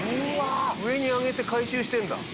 上に上げて回収してるんだ。